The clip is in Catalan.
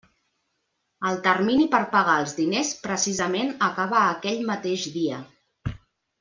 El termini per pagar els diners precisament acaba aquell mateix dia.